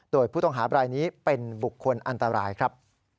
โดยผู้ต้องหาบรายนี้เป็นบุคคลอันตรายครับ